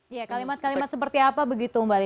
ya kalimat kalimat seperti apa begitu mbak litsi